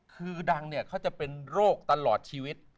คือดังเนี่ยเขาจะเป็นโรคตลอดชีวิต